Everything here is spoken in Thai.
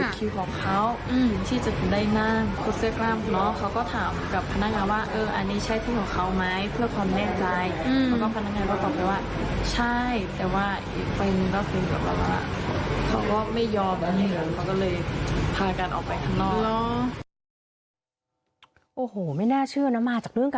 ก็ตอบเลยว่าใช่